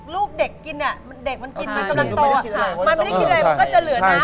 ลูกเด็กกินอะเด็กมันกินเหมือนกำลังต่อ